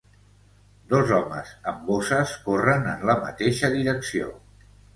Dos homes amb bosses corren en la mateixa direcció.